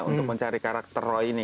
untuk mencari karakter roy ini